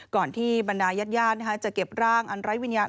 ที่บรรดายาดจะเก็บร่างอันไร้วิญญาณ